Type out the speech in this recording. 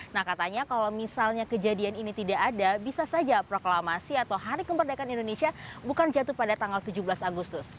nah katanya kalau misalnya kejadian ini tidak ada bisa saja proklamasi atau hari kemerdekaan indonesia bukan jatuh pada tanggal tujuh belas agustus